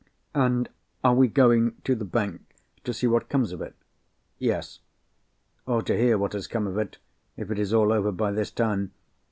"And we are going to the bank to see what comes of it?" "Yes—or to hear what has come of it, if it is all over by this time.